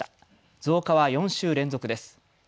増加は４週連続です。